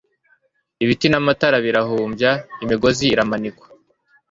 ibiti namatara birahumbya imigozi iramanikwa